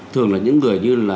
thường là những người như là